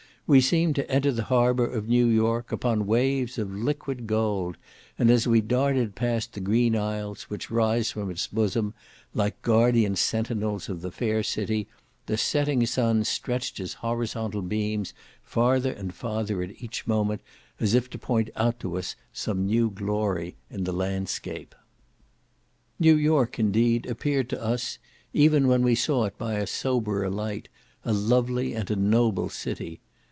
We seemed to enter the harbour of New York upon waves of liquid gold, and as we darted past the green isles which rise from its bosom, like guardian centinels of the fair city, the setting sun stretched his horizontal beams farther and farther at each moment, as if to point out to us some new glory in the landscape. New York, indeed, appeared to us, even when we saw it by a soberer light, a lovely and a noble city.